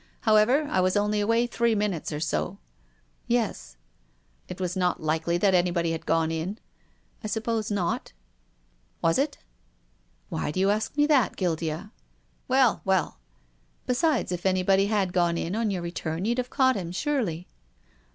However, I was only away three minutes or so." "Yes," " It was not likely that anybody had gone in." " I suppose not." " Was it ?" PROFESSOR GUILDEA. 287 " Why do you ask me that, Guildea ?"" Well, well !"" Besides, if anybody had gone in on your re turn you'd have caught him, surely."